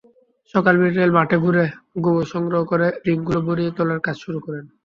সকাল-বিকেল মাঠে ঘুরে গোবর সংগ্রহ করে রিংগুলো ভরিয়ে তোলার কাজ শুরু করেন।